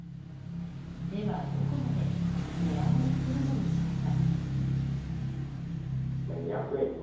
では、どこまで値上がりするのでしょうか。